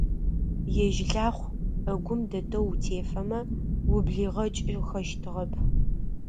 Ежь Лахъу Ӏэгум дэтэу утефэмэ, ублигъэкӀыхэщтыгъэп.